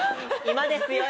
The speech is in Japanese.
今ですよ！